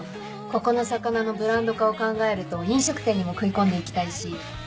ここの魚のブランド化を考えると飲食店にも食い込んで行きたいし。